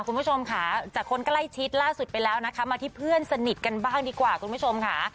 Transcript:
คุณผู้ชมค่ะจากคนใกล้ชิดล่าสุดไปแล้วนะคะมาที่เพื่อนสนิทกันบ้างดีกว่าคุณผู้ชมค่ะ